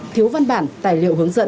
thiếu văn bản tài liệu hoàn toàn